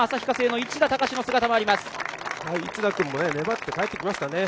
市田君も粘って帰ってきましたね。